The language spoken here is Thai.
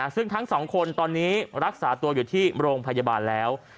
ซึ่งทั้งสองคนตอนนี้รักษาตัวอยู่ที่โรงพยาบาลแล้ว